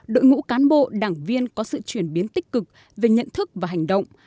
đội ngũ cán bộ đảng viên có sự chuyển biến tích cực về nhận thức và hành động